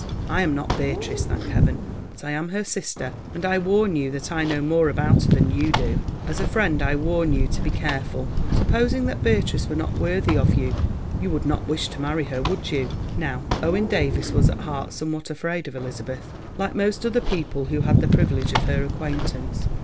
I am not Beatrice, thank Heaven, but I am her sister, and I warn you that I know more about her than you do. As a friend I warn you to be careful. Supposing that Beatrice were not worthy of you, you would not wish to marry her, would you?" Now Owen Davies was at heart somewhat afraid of Elizabeth, like most other people who had the privilege of her acquaintance.